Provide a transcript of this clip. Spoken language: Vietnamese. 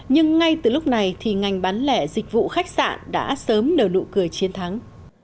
nhưng ngay từ lúc này thì ngành bán lẻ dịch vụ khách sạn đã sớm nở nụ cười chiến thắng